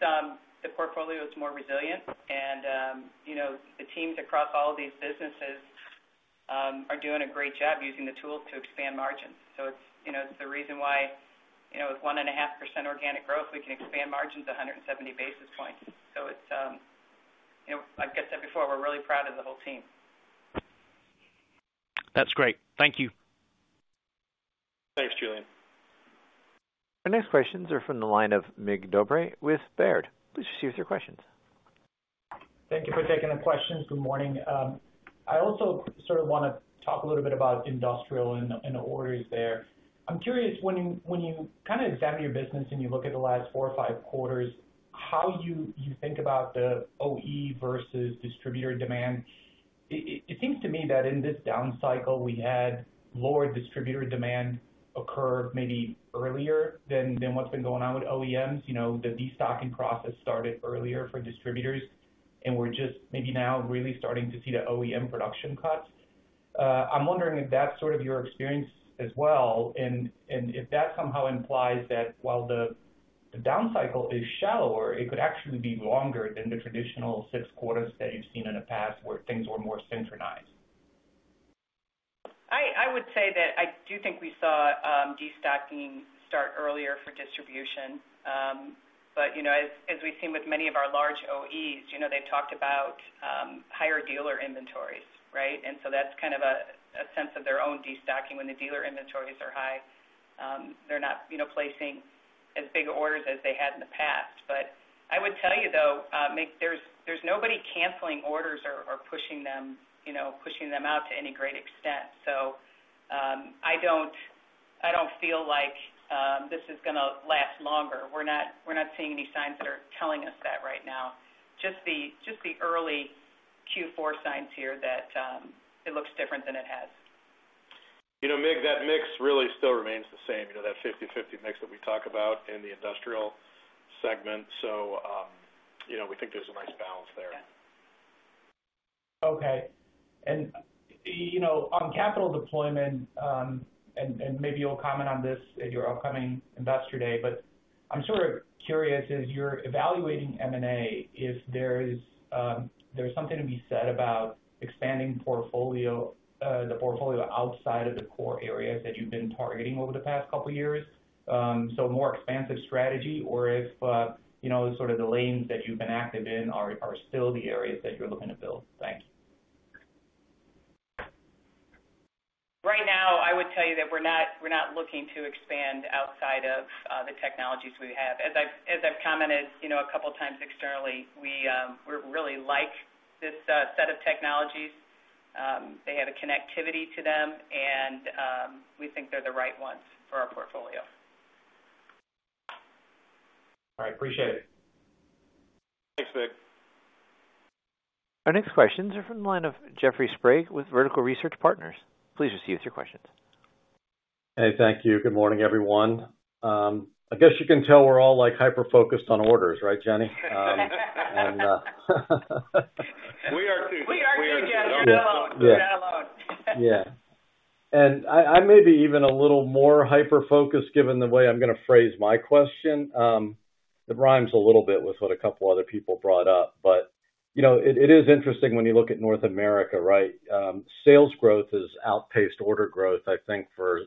the portfolio is more resilient, and you know, the teams across all these businesses are doing a great job using the tools to expand margins. So it's you know, it's the reason why you know, with 1.5% organic growth, we can expand margins 170 basis points. So it's you know, like I said before, we're really proud of the whole team. That's great. Thank you. Thanks, Julian. Our next questions are from the line of Mig Dobré with Baird. Please proceed with your questions. Thank you for taking the questions. Good morning. I also sort of wanna talk a little bit about industrial and the orders there. I'm curious, when you kind of examine your business and you look at the last four or five quarters, how you think about the OEM versus distributor demand. It seems to me that in this down cycle, we had lower distributor demand occur maybe earlier than what's been going on with OEMs. You know, the destocking process started earlier for distributors, and we're just maybe now really starting to see the OEM production cuts. I'm wondering if that's sort of your experience as well, and if that somehow implies that while the down cycle is shallower, it could actually be longer than the traditional six quarters that you've seen in the past where things were more synchronized. I would say that I do think we saw destocking start earlier for distribution. But, you know, as we've seen with many of our large OEs, you know, they've talked about higher dealer inventories, right? And so that's kind of a sense of their own destocking. When the dealer inventories are high, they're not, you know, placing as big orders as they had in the past. But I would tell you, though, Mig, there's nobody canceling orders or pushing them, you know, pushing them out to any great extent. So, I don't feel like this is gonna last longer. We're not seeing any signs that are telling us that right now. Just the early Q4 signs here that it looks different than it has. You know, Mig, that mix really still remains the same, you know, that 50/50 mix that we talk about in the industrial segment. So, you know, we think there's a nice balance there. Okay. And, you know, on capital deployment, and maybe you'll comment on this at your upcoming Investor Day, but I'm sort of curious, as you're evaluating M&A, if there's something to be said about expanding the portfolio outside of the core areas that you've been targeting over the past couple of years. So more expansive strategy, or if, you know, sort of the lanes that you've been active in are still the areas that you're looking to build? Thank you. ... I would tell you that we're not, we're not looking to expand outside of the technologies we have. As I've commented, you know, a couple of times externally, we really like this set of technologies. They have a connectivity to them, and we think they're the right ones for our portfolio. All right, appreciate it. Thanks, Mig. Our next questions are from the line of Jeffrey Sprague, with Vertical Research Partners. Please proceed with your questions. Hey, thank you. Good morning, everyone. I guess you can tell we're all, like, hyper-focused on orders, right, Jenny? We are, too. We are, too, Jeff. We are alone. Yeah. And I may be even a little more hyper-focused, given the way I'm gonna phrase my question. It rhymes a little bit with what a couple of other people brought up. But, you know, it is interesting when you look at North America, right? Sales growth has outpaced order growth, I think, for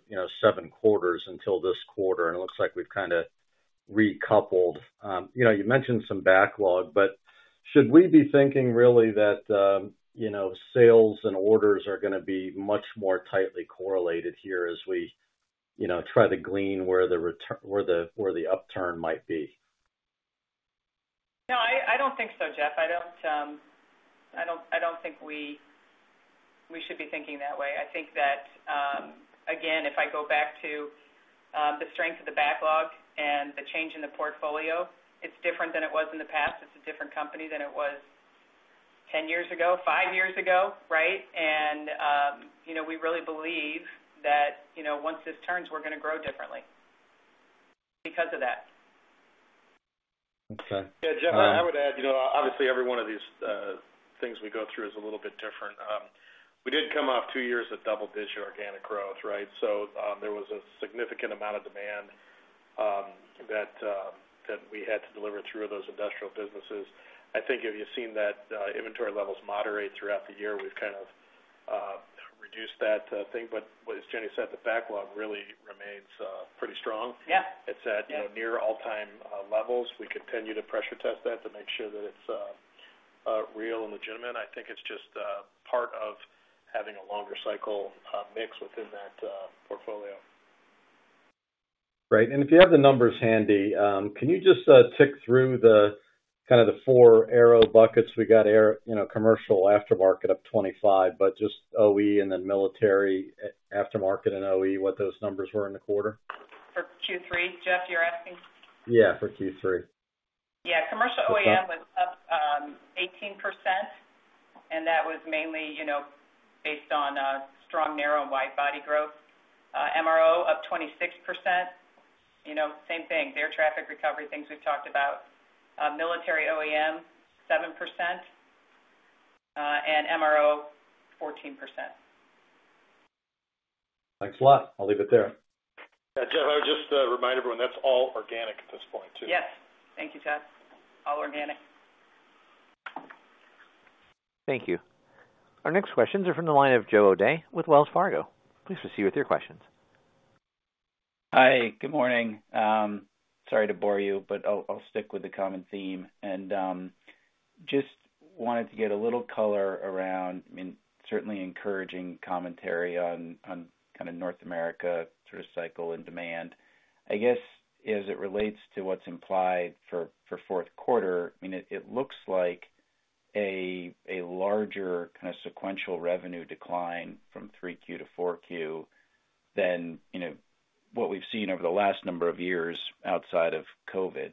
seven quarters until this quarter, and it looks like we've kind of recoupled. You know, you mentioned some backlog, but should we be thinking really that, you know, sales and orders are gonna be much more tightly correlated here as we try to glean where the upturn might be? No, I don't think so, Jeff. I don't think we should be thinking that way. I think that, again, if I go back to the strength of the backlog and the change in the portfolio, it's different than it was in the past. It's a different company than it was 10 years ago, five years ago, right? And you know, we really believe that, you know, once this turns, we're gonna grow differently because of that. Okay. Yeah, Jeff, I would add, you know, obviously, every one of these things we go through is a little bit different. We did come off two years of double-digit organic growth, right? So, there was a significant amount of demand that we had to deliver through those industrial businesses. I think if you've seen that, inventory levels moderate throughout the year, we've kind of reduced that thing. But as Jenny said, the backlog really remains pretty strong. Yeah. It's at, you know, near all-time levels. We continue to pressure test that to make sure that it's real and legitimate. I think it's just a part of having a longer cycle mix within that portfolio. Great. If you have the numbers handy, can you just tick through the kind of the four aero buckets? We got aero, you know, commercial aftermarket up 25, but just OE and then military aftermarket and OE, what those numbers were in the quarter? For Q3, Jeff, you're asking? Yeah, for Q3. Yeah. Commercial OEM was up 18%, and that was mainly, you know, based on strong narrow and widebody growth. MRO, up 26%. You know, same thing, air traffic recovery, things we've talked about. Military OEM, 7%, and MRO, 14%. Thanks a lot. I'll leave it there. Yeah, Jeff, I would just remind everyone, that's all organic at this point, too. Yes. Thank you, Jeff. All organic. Thank you. Our next questions are from the line of Joe O'dea with Wells Fargo. Please proceed with your questions. Hi, good morning. Sorry to bore you, but I'll stick with the common theme. Just wanted to get a little color around, I mean, certainly encouraging commentary on kind of North America sort of cycle and demand. I guess, as it relates to what's implied for fourth quarter, I mean, it looks like a larger kind of sequential revenue decline from Q3 to Q4 than, you know, what we've seen over the last number of years outside of COVID.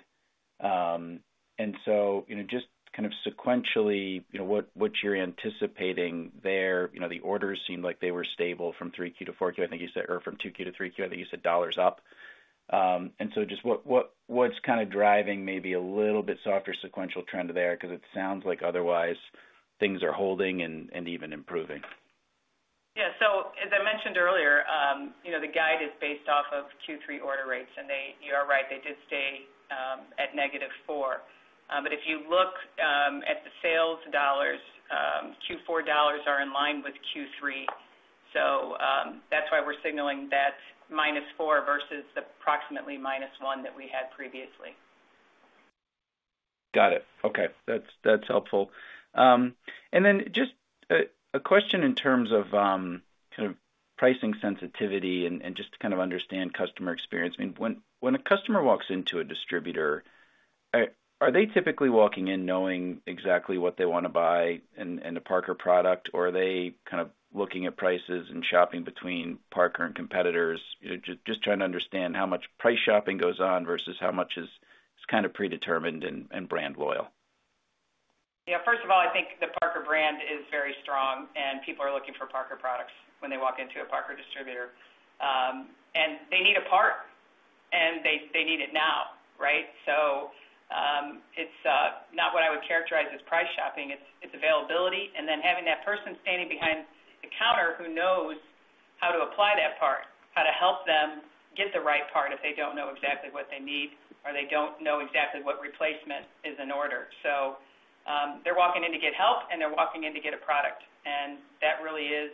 So, you know, just kind of sequentially, you know, what you're anticipating there, you know, the orders seemed like they were stable from Q3 to Q4. I think you said, or from Q2 to Q3, I think you said dollars up. And so just what's kind of driving maybe a little bit softer sequential trend there? Because it sounds like otherwise, things are holding and even improving. Yeah. So as I mentioned earlier, you know, the guide is based off of Q3 order rates, and they-- you are right, they did stay at -4. But if you look at the sales dollars, Q4 dollars are in line with Q3. So, that's why we're signaling that -4 versus approximately -1 that we had previously. Got it. Okay. That's, that's helpful. And then just a question in terms of kind of pricing sensitivity and just to kind of understand customer experience. I mean, when a customer walks into a distributor, are they typically walking in knowing exactly what they want to buy in a Parker product, or are they kind of looking at prices and shopping between Parker and competitors? Just trying to understand how much price shopping goes on versus how much is kind of predetermined and brand loyal. Yeah, first of all, I think the Parker brand is very strong, and people are looking for Parker products when they walk into a Parker distributor. And they need a part, and they need it now, right? So, it's not what I would characterize as price shopping, it's availability, and then having that person standing behind the counter who knows how to apply that part, how to help them get the right part if they don't know exactly what they need or they don't know exactly what replacement is in order. So, they're walking in to get help, and they're walking in to get a product. And that really is,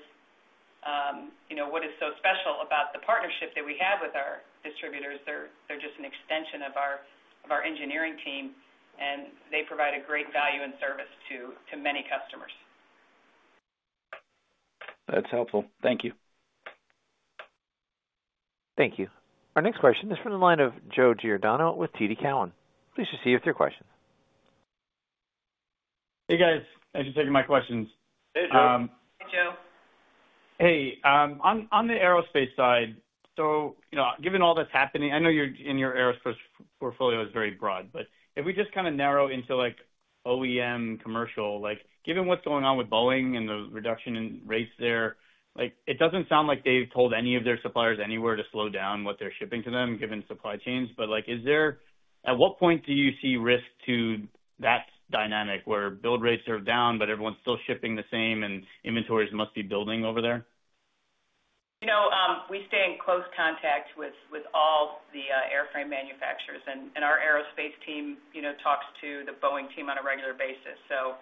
you know, what is so special about the partnership that we have with our distributors. They're just an extension of our engineering team, and they provide a great value and service to many customers. That's helpful. Thank you. Thank you. Our next question is from the line of Joe Giordano with TD Cowen. Please proceed with your question. Hey, guys. Thanks for taking my questions. Hey, Joe. Hi, Joe. Hey, on the aerospace side, so, you know, given all that's happening, I know your aerospace portfolio is very broad, but if we just kind of narrow into, like, OEM commercial, like, given what's going on with Boeing and the reduction in rates there, like, it doesn't sound like they've told any of their suppliers anywhere to slow down what they're shipping to them, given supply chains. But, like, is there... At what point do you see risk to that dynamic, where build rates are down, but everyone's still shipping the same and inventories must be building over there? You know, we stay in close contact with all the airframe manufacturers, and our aerospace team, you know, talks to the Boeing team on a regular basis. So,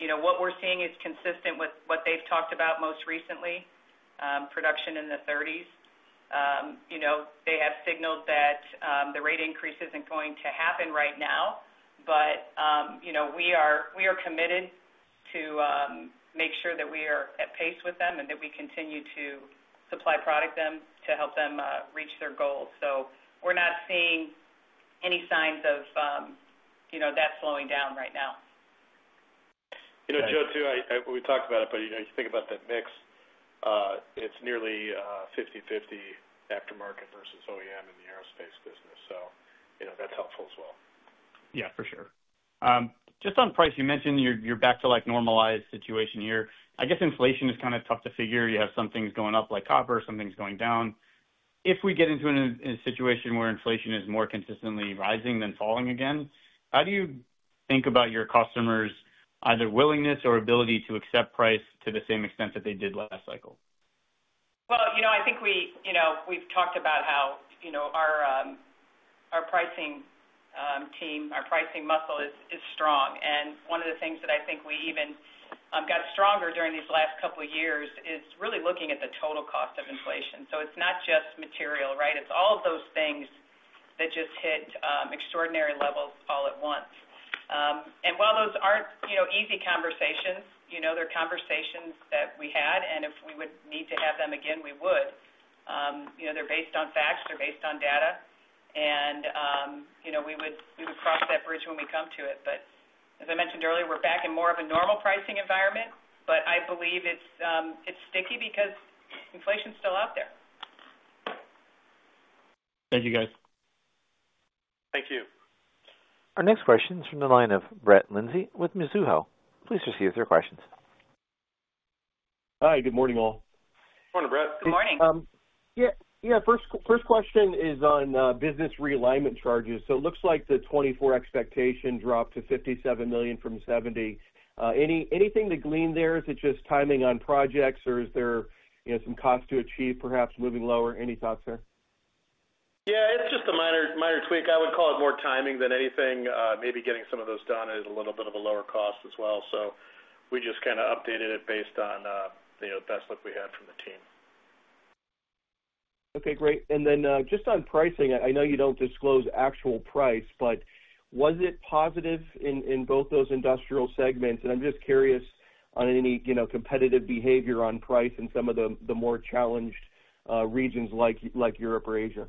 you know, what we're seeing is consistent with what they've talked about most recently, production in the 30s. You know, they have signaled that the rate increase isn't going to happen right now. But, you know, we are committed to make sure that we are at pace with them and that we continue to supply product them to help them reach their goals. So we're not seeing any signs of, you know, that slowing down right now. You know, Joe, too, I—we talked about it, but, you know, you think about that mix, it's nearly 50/50 aftermarket versus OEM in the aerospace business, so, you know, that's helpful as well. Yeah, for sure. Just on price, you mentioned you're, you're back to, like, normalized situation here. I guess inflation is kind of tough to figure. You have some things going up, like copper, some things going down. If we get into a situation where inflation is more consistently rising than falling again, how do you think about your customers' either willingness or ability to accept price to the same extent that they did last cycle? Well, you know, I think we you know, we've talked about how, you know, our our pricing team, our pricing muscle is strong. And one of the things that I think we even got stronger during these last couple of years is really looking at the total cost of inflation. So it's not just material, right? It's all of those things that just hit extraordinary levels all at once. And while those aren't, you know, easy conversations, you know, they're conversations that we had, and if we would need to have them again, we would. You know, they're based on facts, they're based on data, and, you know, we would cross that bridge when we come to it. But as I mentioned earlier, we're back in more of a normal pricing environment, but I believe it's, it's sticky because inflation's still out there. Thank you, guys. Thank you. Our next question is from the line of Brett Lindzey with Mizuho. Please proceed with your questions. Hi, good morning, all. Morning, Brett. Good morning. Yeah, yeah, first question is on business realignment charges. So it looks like the 2024 expectation dropped to $57 million from $70. Anything to glean there? Is it just timing on projects, or is there, you know, some cost to achieve, perhaps moving lower? Any thoughts there? Yeah, it's just a minor, minor tweak. I would call it more timing than anything. Maybe getting some of those done at a little bit of a lower cost as well. So we just kind of updated it based on, you know, the best look we had from the team. Okay, great. And then, just on pricing, I know you don't disclose actual price, but was it positive in both those industrial segments? And I'm just curious on any, you know, competitive behavior on price in some of the more challenged regions like Europe or Asia.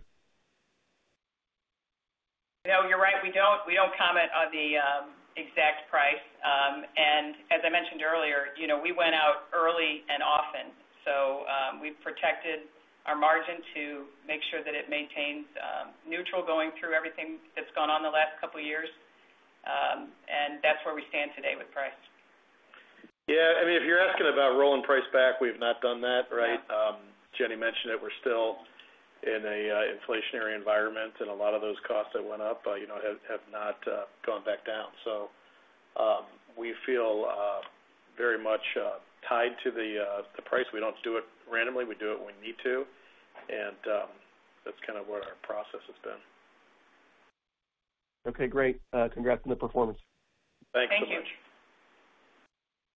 No, you're right. We don't, we don't comment on the exact price. And as I mentioned earlier, you know, we went out early and often, so, we've protected our margin to make sure that it maintains neutral going through everything that's gone on the last couple of years. And that's where we stand today with price. Yeah, I mean, if you're asking about rolling price back, we've not done that, right? Jenny mentioned it. We're still in a inflationary environment, and a lot of those costs that went up, you know, have not gone back down. So, we feel very much tied to the price. We don't do it randomly. We do it when we need to, and that's kind of what our process has been. Okay, great. Congrats on the performance. Thanks so much. Thank you.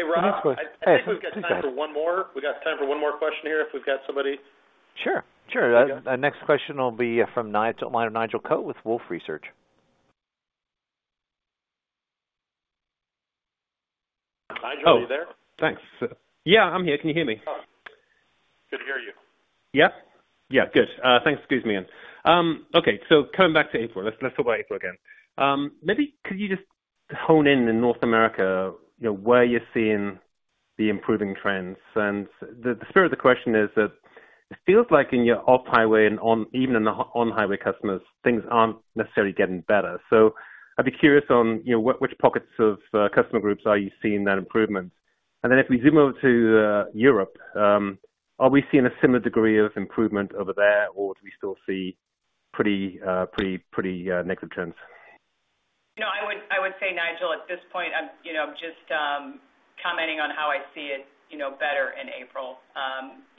Hey, Rob, I think we've got time for one more. We got time for one more question here, if we've got somebody. Sure, sure. Okay. Our next question will be from Nigel, line of Nigel Coe with Wolfe Research. Nigel, are you there? Thanks. Yeah, I'm here. Can you hear me? Good to hear you. Yeah? Yeah, good. Thanks. Excuse me again. Okay, so coming back to April, let's talk about April again. Maybe could you just hone in on North America, you know, where you're seeing the improving trends? And the spirit of the question is that it feels like in your off-highway and on- even in the on-highway customers, things aren't necessarily getting better. So I'd be curious on, you know, which pockets of customer groups are you seeing that improvement? And then if we zoom over to Europe, are we seeing a similar degree of improvement over there, or do we still see pretty negative trends? You know, I would, I would say, Nigel, at this point, I'm, you know, just, commenting on how I see it, you know, better in April.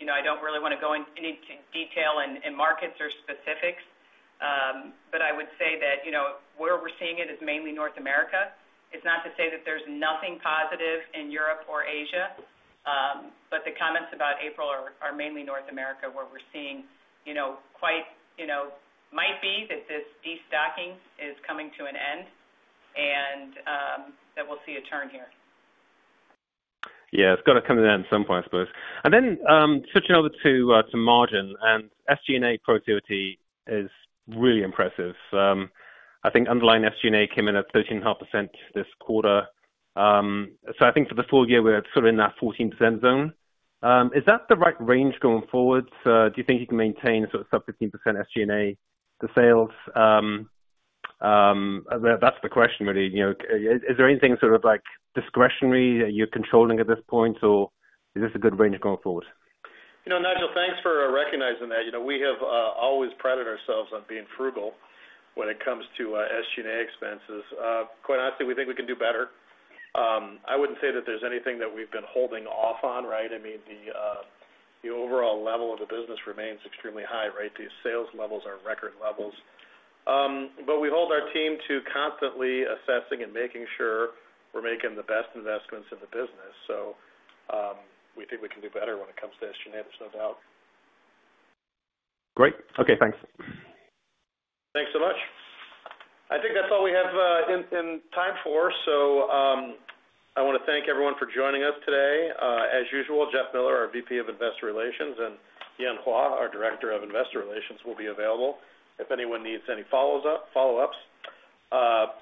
You know, I don't really want to go into any detail in, in markets or specifics, but I would say that, you know, where we're seeing it is mainly North America. It's not to say that there's nothing positive in Europe or Asia, but the comments about April are, are mainly North America, where we're seeing, you know, quite- you know, might be that this destocking is coming to an end and, that we'll see a turn here. Yeah, it's got to come to an end at some point, I suppose. And then, switching over to margin and SG&A productivity is really impressive. I think underlying SG&A came in at 13.5% this quarter. So I think for the full year, we're sort of in that 14% zone. Is that the right range going forward? Do you think you can maintain sort of sub-15% SG&A to sales? That's the question, really. You know, is there anything sort of like discretionary that you're controlling at this point, or is this a good range going forward? You know, Nigel, thanks for recognizing that. You know, we have always prided ourselves on being frugal when it comes to SG&A expenses. Quite honestly, we think we can do better. I wouldn't say that there's anything that we've been holding off on, right? I mean, the overall level of the business remains extremely high, right? These sales levels are record levels. But we hold our team to constantly assessing and making sure we're making the best investments in the business. So, we think we can do better when it comes to SG&A, there's no doubt. Great. Okay, thanks. Thanks so much. I think that's all we have in time for. So, I want to thank everyone for joining us today. As usual, Jeff Miller, our VP of Investor Relations, and Yan Huo, our Director of Investor Relations, will be available if anyone needs any follow-ups.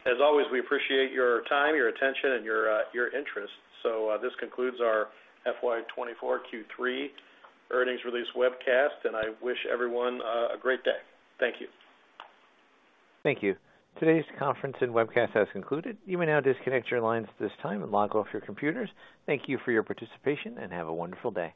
As always, we appreciate your time, your attention, and your interest. So, this concludes our FY 2024 Q3 earnings release webcast, and I wish everyone a great day. Thank you. Thank you. Today's conference and webcast has concluded. You may now disconnect your lines at this time and log off your computers. Thank you for your participation, and have a wonderful day.